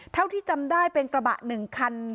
เท่าที่จำได้เป็นกระบะ๑คัน